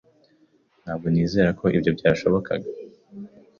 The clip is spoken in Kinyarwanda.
Ntabwo nizera ko ibyo byashobokaga.